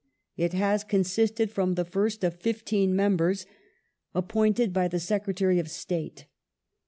It has consisted from the first of fifteen membei s, appointed by the Secretary of State.